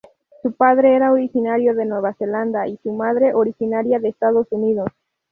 Su padre era originario de Nueva Zelanda y su madre originaria de Estados Unidos.